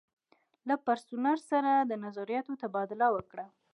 له پرسونل سره د نظریاتو تبادله وکړو.